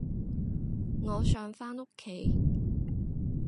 我想返屋企